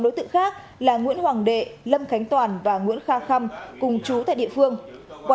đối tượng khác là nguyễn hoàng đệ lâm khánh toàn và nguyễn kha khăm cùng chú tại địa phương quá